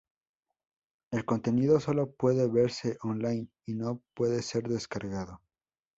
El contenido solo puede verse online y no puede ser descargado.